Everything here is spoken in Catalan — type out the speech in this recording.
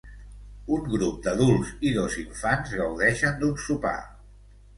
Un grup d'adults i dos infants gaudeixen d'un sopar.